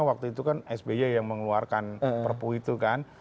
waktu itu kan sby yang mengeluarkan perpu itu kan